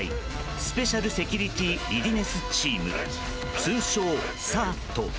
スペシャル・セキュリティー・リディネス・チーム通称、ＳｅＲＴ。